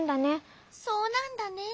そうなんだね。